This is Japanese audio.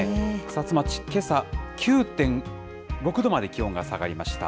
草津町、けさ、９．６度まで気温が下がりました。